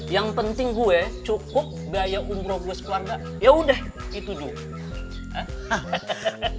yang penting gue cukup biaya umroh gue sekeluarga ya udah itu dulu